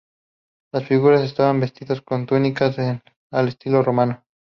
Las figuras están vestidas con túnicas, al estilo romano.